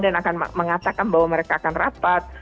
dan akan mengatakan bahwa mereka akan rapat